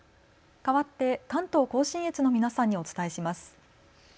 かわって関東甲信越の皆さんにお伝えします。